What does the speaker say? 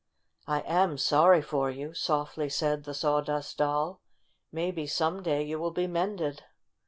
"I am sorry for you," softly said the Sawdust Doll. "Maybe, some day, you will be mended."